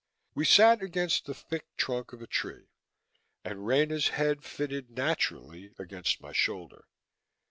We sat against the thick trunk of a tree, and Rena's head fitted naturally against my shoulder.